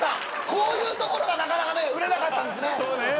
こういうところがなかなかね売れなかったんですね。